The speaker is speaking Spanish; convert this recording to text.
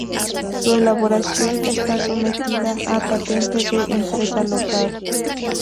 Su elaboración está sometida a patente de empresa local.